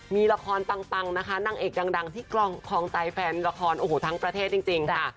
มีละครปังนะคะนางเอกดังที่คลองใจแฟนละครโอ้โหทั้งประเทศจริงค่ะ